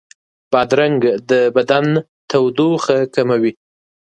بادرنګ د بدن تودوخه کموي.